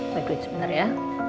begitu bener ya